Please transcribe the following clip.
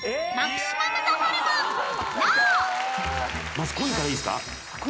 まずコインからいいですか。